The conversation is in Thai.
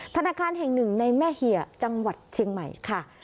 ธนาคารแห่งหนึ่งในแม่เหี่ยจังหวัดเชียงใหม่ค่ะ